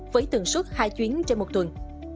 với tường suốt hai chuyến trong một tuần